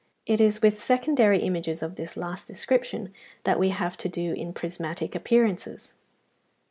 It is with secondary images of this last description that we have to do in prismatic appearances.